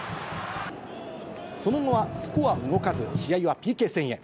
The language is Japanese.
その後はスコア動かず、試合はＰＫ戦へ。